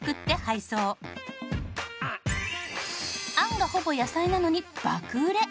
餡がほぼ野菜なのに爆売れ！